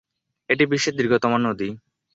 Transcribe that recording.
এটি বিশ্বের দীর্ঘতম নদী।